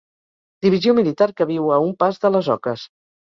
Divisió militar que viu a un pas de les oques.